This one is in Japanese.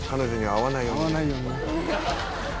「会わないようにね」